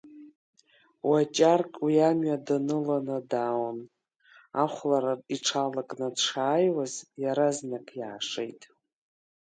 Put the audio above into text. Уаҷарк уи амҩа даныланы дааун, ахәлара иҽалакны дшааиуаз, иаразнак иаашеит.